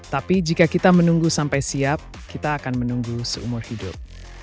tapi jika kita menunggu sampai siap kita akan menunggu seumur hidup